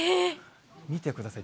見てください。